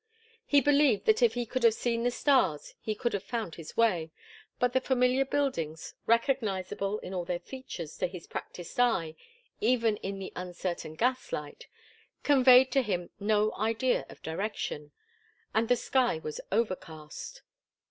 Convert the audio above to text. He believed that if he could have seen the stars he could have found his way, but the familiar buildings, recognizable in all their features to his practised eye even in the uncertain gaslight, conveyed to him no idea of direction, and the sky was overcast.